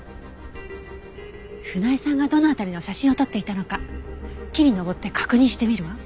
船井さんがどの辺りの写真を撮っていたのか木に登って確認してみるわ。